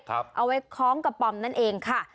แล้วเอาไว้คล้องกับปอมนั่นเองค่ะ